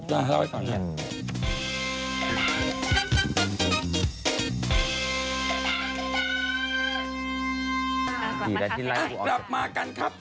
กลับมากันครับ